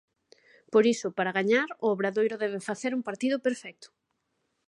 Por iso, para gañar, o Obradoiro debe facer un partido perfecto.